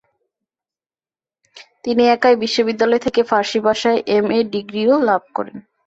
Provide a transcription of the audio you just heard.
তিনি একই বিশ্ববিদ্যালয় থেকে ফার্সি ভাষায় এমএ ডিগ্রীও লাভ করেন।